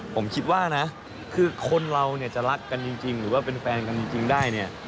ผมคิดว่านะคือคนเราเนี่ยจะรักกันจริงหรือว่าเป็นแฟนกันจริงได้เนี่ย